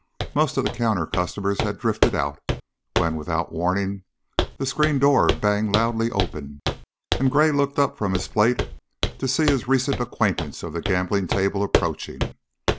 Most of the counter customers had drifted out when, without warning, the screen door banged loudly open and Gray looked up from his plate to see his recent acquaintance of the gambling table approaching.